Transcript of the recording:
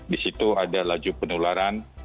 di situ ada laju penularan